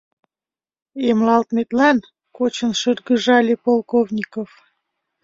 — «Эмлалтметлан...» — кочын шыргыжале Полковников.